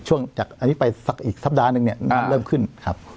จากอันนี้ไปสักอีกสัปดาห์นึงเนี่ยน้ำเริ่มขึ้นครับ